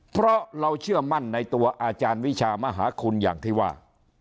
เพราะเราเชื่อมั่นในตัวอาจารย์วิชามหาคุณอย่างที่ว่า